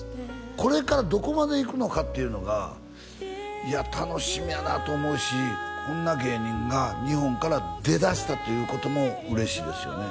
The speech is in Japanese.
これからどこまで行くのかっていうのがいや楽しみやなと思うしこんな芸人が日本から出だしたということも嬉しいですよね